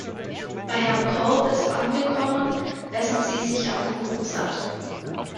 Bei Herrn Korbes angekommen, essen sie sich am Kuchen satt.